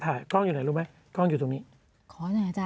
เป็นเหมือนกันเลยนะ